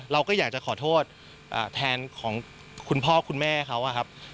เราก็อยากจะขอโทษแทนของคุณพ่อคุณแม่เขาอะครับ